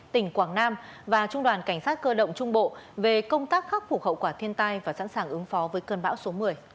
tỉnh quảng nam và trung đoàn cảnh sát cơ động trung bộ về công tác khắc phục hậu quả thiên tai và sẵn sàng ứng phó với cơn bão số một mươi